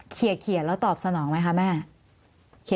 เขียนแล้วตอบสนองไหมคะแม่